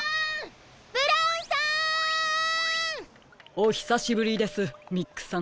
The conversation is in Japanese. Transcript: ブラウンさん！おひさしぶりですミックさん。